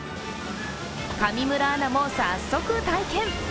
上村アナも早速体験。